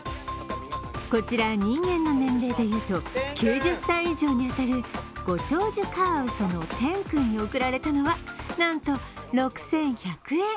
こちら人間の年齢でいうと９０歳以上に当たるご長寿カワウソのテン君に送られたのはなんと６１００円。